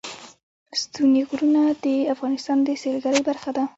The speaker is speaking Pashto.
ستوني غرونه د افغانستان د سیلګرۍ برخه ده.